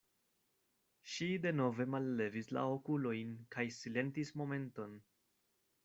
Ŝi denove mallevis la okulojn kaj silentis momenton.